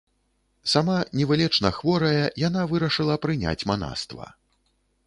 Сама невылечна хворая, яна вырашыла прыняць манаства.